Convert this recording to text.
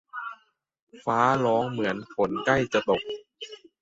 ฟ้าร้องเหมือนฝนใกล้จะตก